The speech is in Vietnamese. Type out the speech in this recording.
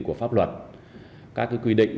của pháp luật các quy định